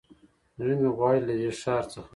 زړه مې غواړي له دې ښار څخه